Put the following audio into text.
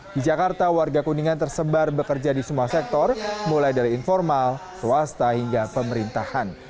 di jakarta warga kuningan tersebar bekerja di semua sektor mulai dari informal swasta hingga pemerintahan